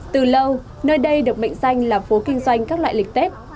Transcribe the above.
từ lâu nơi đây được mệnh danh là phố kinh doanh các loại lịch tết